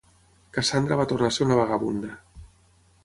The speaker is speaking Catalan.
Cassandra va tornar a ser una vagabunda.